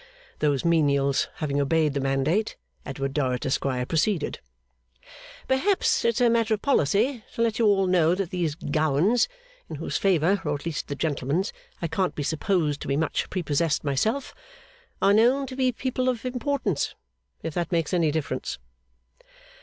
Those menials having obeyed the mandate, Edward Dorrit, Esquire, proceeded. 'Perhaps it's a matter of policy to let you all know that these Gowans in whose favour, or at least the gentleman's, I can't be supposed to be much prepossessed myself are known to people of importance, if that makes any difference.